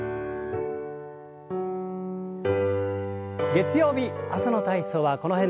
月曜日朝の体操はこの辺で。